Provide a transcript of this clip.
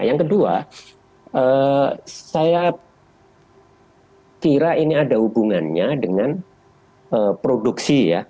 yang kedua saya kira ini ada hubungannya dengan produksi ya